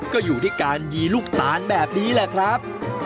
ก็อยู่ด้วยการยีลูกตาลแบบนี้แหละครับ